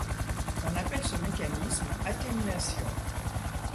On appelle ce mécanisme atténuation.